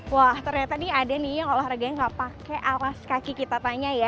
wah ternyata nih ada nih yang olahraganya gak pakai alas kaki kita tanya ya